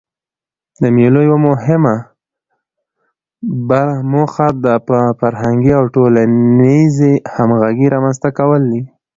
د مېلو یوه مهمه موخه د فرهنګي او ټولنیزي همږغۍ رامنځ ته کول دي.